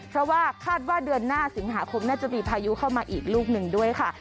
เพราะว่าคาดว่าเดือนหน้าสิงหาคมน่าจะมีพายุเข้ามาอีกลูกหนึ่งด้วยค่ะ